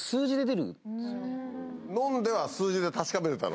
飲んでは数字で確かめてたの？